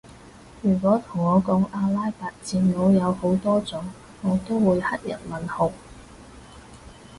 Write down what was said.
如果同我講阿拉伯字母有好多種我都會黑人問號